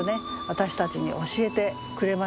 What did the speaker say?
私たちに教えてくれました。